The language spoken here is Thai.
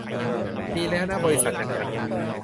มีแล้วนะ บริษัทอย่างนั้น